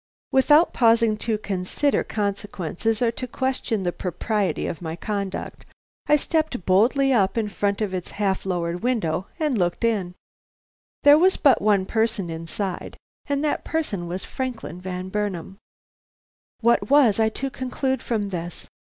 Without pausing to consider consequences or to question the propriety of my conduct, I stepped boldly up in front of its half lowered window and looked in. There was but one person inside, and that person was Franklin Van Burnam. What was I to conclude from this?